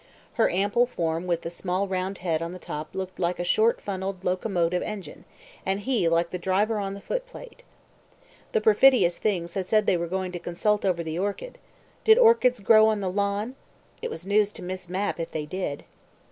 Her ample form with the small round head on the top looked like a short funnelled locomotive engine, and he like the driver on the footplate. The perfidious things had said they were going to consult over the orchid. Did orchids grow on the lawn? It was news to Miss Mapp if they did.